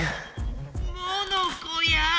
モノコや。